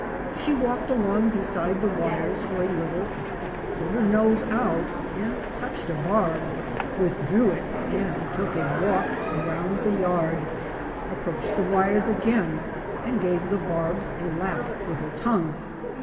She walked along beside the wires for a little put her nose out and touched a barb, withdrew it and took a walk around the yard, approached the wires again and gave the barbs a lap with her tongue.